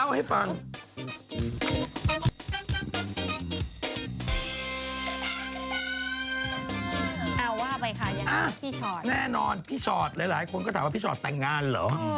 เอาว่าไปค่ะพี่ชอตแน่นอนพี่ชอตหลายคนก็ถามว่าพี่ชอตแต่งงานเหรอ